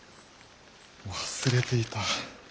忘れていた。